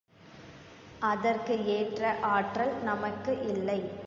அதற்கு ஏற்ற ஆற்றல் நமக்கு இல்லை.